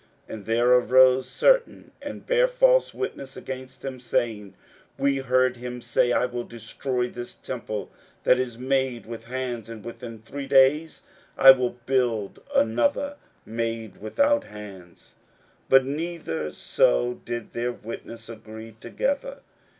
41:014:057 And there arose certain, and bare false witness against him, saying, 41:014:058 We heard him say, I will destroy this temple that is made with hands, and within three days I will build another made without hands. 41:014:059 But neither so did their witness agree together.